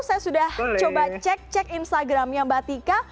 saya sudah coba cek cek instagramnya mbak tika